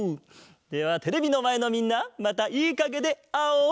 ではテレビのまえのみんなまたいいかげであおう！